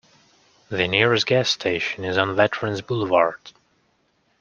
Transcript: The nearest gas station is on Veterans Boulevard.